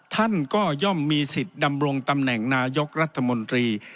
ท่านก็ย่อมมีสิทธิ์ดำรงตำแหน่งนายกรัฐมนตรี